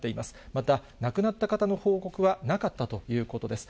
また亡くなった方の報告はなかったということです。